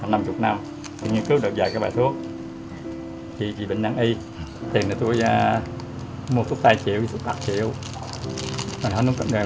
năm mươi năm tôi nghiên cứu được dạy các bài thuốc chị bệnh năng y tiền để tôi mua thuốc tay chịu thuốc tạc chịu